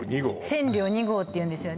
千両２号っていうんですよね